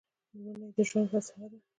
مني د ژوند فلسفه ده